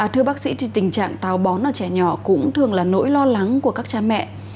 thưa bác sĩ thì tình trạng tàu bón ở trẻ nhỏ cũng thường là nỗi lo lắng của các cha mẹ